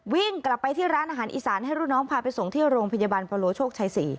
วิ่งกลับไปที่ร้านอาหารอีสานให้รุ่นน้องพาไปส่งที่โรงพยาบาลปะโลโชคชัย๔